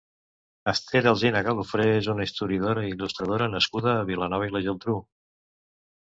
Esther Alsina Galofré és una historiadora i il·lustradora nascuda a Vilanova i la Geltrú.